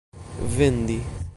vendi